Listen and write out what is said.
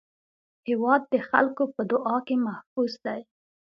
هېواد د خلکو په دعا کې محفوظ دی.